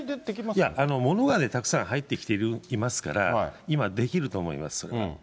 いや、物はね、入ってきていますから、今、できると思います。